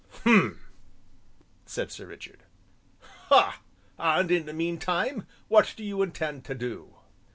"Hum!" said Sir Richard, "ha! and in the meantime what do you intend to do?"